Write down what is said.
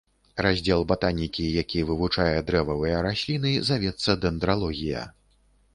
Раздзел батанікі, які вывучае дрэвавыя расліны, завецца дэндралогія.